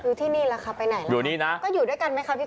อยู่ที่นี่แหละค่ะไปไหนแล้วอยู่นี่นะก็อยู่ด้วยกันไหมครับพี่ก๊อฟ